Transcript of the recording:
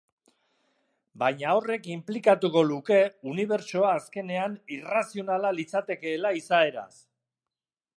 Baina horrek inplikatuko luke unibertsoa azkenean irrazionala litzatekeela izaeraz.